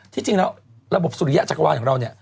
จริงแล้วระบบสุริยะจักรวาลของเราเนี่ย